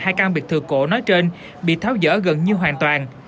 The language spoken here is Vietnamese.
hai căn biệt thờ cổ nói trên bị tháo dỡ gần như hoàn toàn